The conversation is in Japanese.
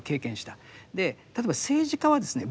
例えば政治家はですね